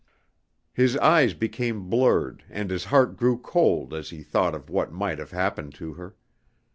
His eyes became blurred and his heart grew cold as he thought of what might have happened to her.